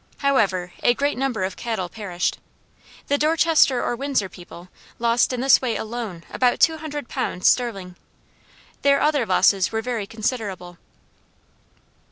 However, a great number of cattle perished. The Dorchester or Windsor people, lost in this way alone about two hundred pounds sterling. Their other losses were very considerable."